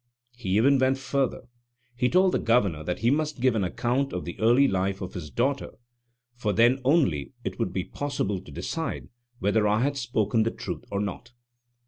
He even went further. He told the Governor that he must give an account of the early life of his daughter, for then only it would be possible to decide whether I had spoken the truth or not.